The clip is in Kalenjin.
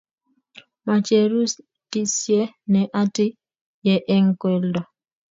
Macheru tisye ne ati ye eng' keldo